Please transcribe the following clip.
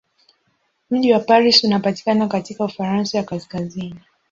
Mji wa Paris unapatikana katika Ufaransa ya kaskazini.